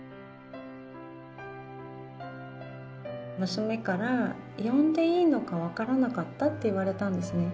娘から呼んでいいのか分からなかったって言われたんですね